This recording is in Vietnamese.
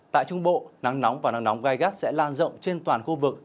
tại trung bộ nắng nóng và nắng nóng gai gắt sẽ lan rộng trên toàn khu vực